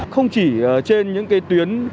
không chỉ trên những tuyến